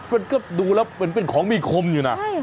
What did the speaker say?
มันก็ดูแล้วเหมือนเป็นของมีคมอยู่นะ